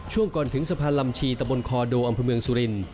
ช่วงก่อนถึงสะพานลำชีตะบนคอโดอำเภอเมืองสุริน